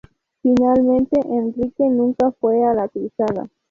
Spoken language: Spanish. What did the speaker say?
Finalmente, Enrique nunca fue a la cruzada.